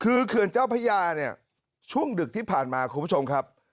คือเขื่อนเจ้าพระยาเนี่ยช่วงดึกที่ผ่านมาคุณผู้ชมครับ